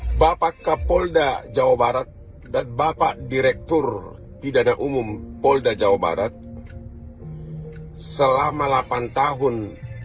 hai bapak kapolda jawa barat dan bapak direktur pidana umum polda jawa barat selama delapan tahun